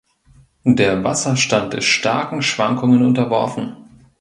Der Wasserstand ist starken Schwankungen unterworfen.